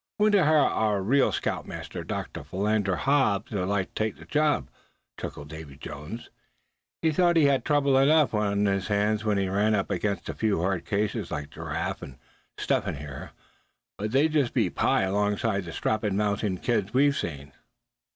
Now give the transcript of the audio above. "Wonder how our real scoutmaster, Dr. Philander Hobbs'd like to take the job?" chuckled Davy Jones. "He thought he had trouble enough on his hands when he ran up against a few hard cases, like Giraffe and Step Hen here; but they'd be just pie alongside the strappin' mountain kids we've seen."